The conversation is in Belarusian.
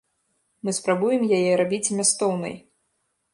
Мы спрабуем яе рабіць змястоўнай.